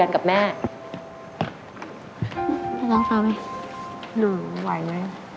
มั่นใจไหม